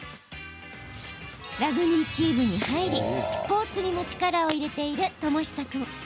ラグビーチームに入りスポーツにも力を入れている丈悠君。